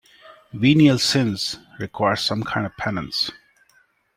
Venial sins require some kind of penance.